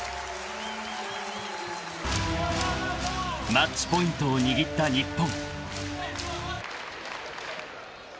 ［マッチポイントを握った日本］